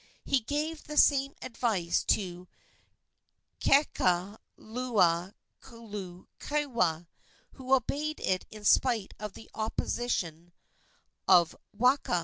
He gave the same advice to Kekalukaluokewa, who obeyed it in spite of the opposition of Waka.